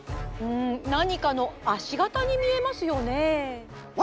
ん何かの足型に見えますよね。